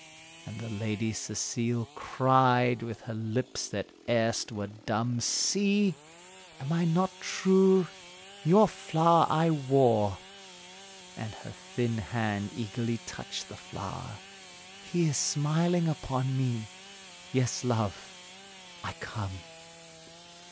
And the Lady Cecile Cried with her lips that erst were dumb "See! am I not true? your flower I wore," And her thin hand eagerly touched the flower, "He is smiling upon me! yes, love, I come."